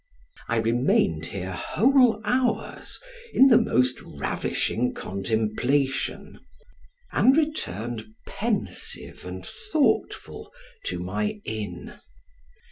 I remained here whole hours, in the most ravishing contemplation, and returned pensive and thoughtful to my inn.